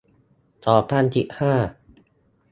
สองพันสิบห้า